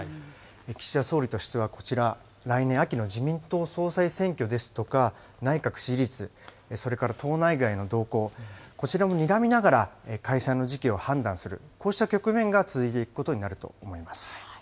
岸田総理としてはこちら、来年秋の自民党総裁選挙ですとか、内閣支持率、それから党内外の動向、こちらもにらみながら、解散の時期を判断する、こうした局面が続いていくことになります。